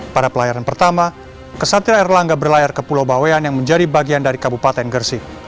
pada pelayaran pertama kesatria erlangga berlayar ke pulau bawean yang menjadi bagian dari kabupaten gersik